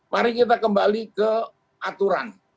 mari kita kembali ke aturan